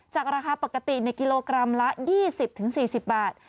จากราคาปกติในกิโลกรัมละยี่สิบถึงสี่สิบบาท